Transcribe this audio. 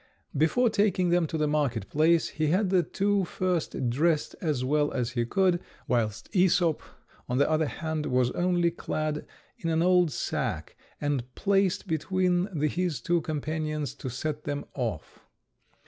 Before taking them to the market place he had the two first dressed as well as he could, whilst Æsop, on the other hand, was only clad in an old sack, and placed between his two companions to set them off.